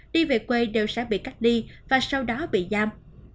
đi về quê đều sẽ bị cắt đi và sau đó bị giam